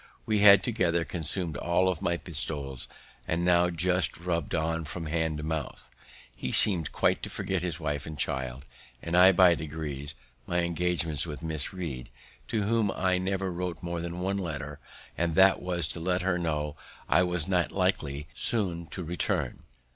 We had together consumed all my pistoles, and now just rubbed on from hand to mouth. He seem'd quite to forget his wife and child, and I, by degrees, my engagements with Miss Read, to whom I never wrote more than one letter, and that was to let her know I was not likely soon to return.